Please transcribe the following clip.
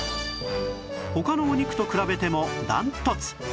他のお肉と比べてもダントツ